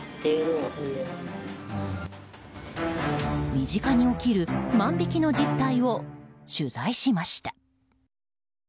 身近に起きる万引きの実態を取材しました。